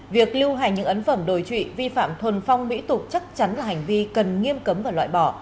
việc lưu hành những ấn phẩm đồi trụy vi phạm thuần phong mỹ tục chắc chắn là hành vi cần nghiêm cấm và loại bỏ